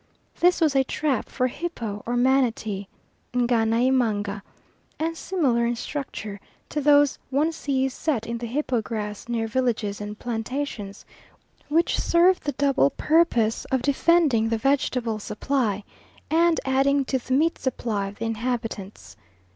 This was a trap for hippo or manatee (Ngany 'imanga), and similar in structure to those one sees set in the hippo grass near villages and plantations, which serve the double purpose of defending the vegetable supply, and adding to the meat supply of the inhabitants.